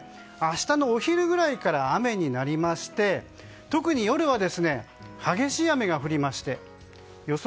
明日のお昼ぐらいから雨になりまして特に夜は激しい雨が降りまして予想